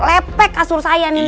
lepek kasur saya nintar